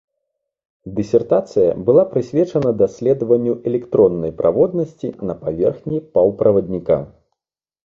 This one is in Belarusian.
Дысертацыя была прысвечана даследаванню электроннай праводнасці на паверхні паўправадніка.